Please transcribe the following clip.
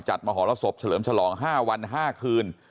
มหรสบเฉลิมฉลอง๕วัน๕คืน